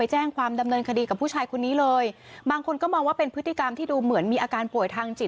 แจ้งความดำเนินคดีกับผู้ชายคนนี้เลยบางคนก็มองว่าเป็นพฤติกรรมที่ดูเหมือนมีอาการป่วยทางจิต